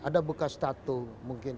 ada bekas tattoo mungkin